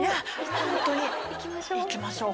行きましょう。